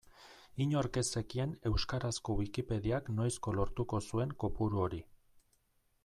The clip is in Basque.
Inork ez zekien euskarazko Wikipediak noizko lortuko zuen kopuru hori.